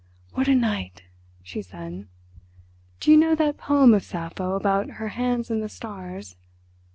"What a night!" she said. "Do you know that poem of Sappho about her hands in the stars....